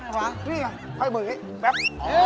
ให้มือแป๊บ